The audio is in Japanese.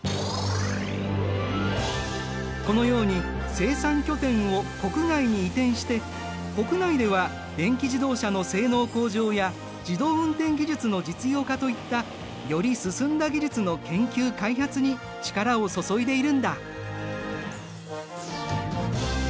このように生産拠点を国外に移転して国内では電気自動車の性能向上や自動運転技術の実用化といったより進んだ技術の研究・開発に力を注いでいるんだ。